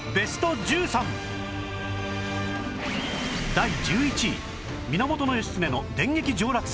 第１１位源義経の電撃上洛作戦